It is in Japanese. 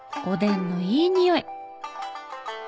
おでんのいいにおい！